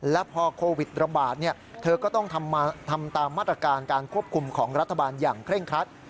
และพอโควิดระบาดเธอก็ต้องทำตามมาตรการการควบคุมของรัฐบาลอย่างเคร่งครัด